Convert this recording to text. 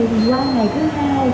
thì do ngày thứ hai